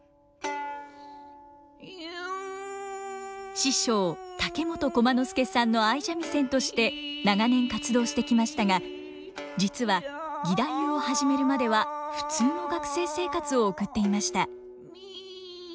師匠竹本駒之助さんの相三味線として長年活動してきましたが実は義太夫を始めるまでは普通の学生生活を送っていました。